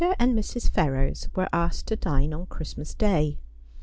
and Mrs. Ferrers were asked to dine on Christmas Day.